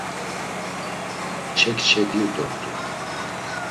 Kçe kçe diyu dort̆u.